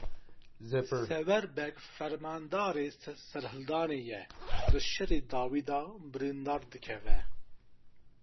Sewer Beg fermandarê serhildanê ye, di şerê dawî de birîndar dikeve.